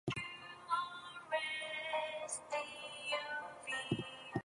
The teams played each other team in each of the four groups once.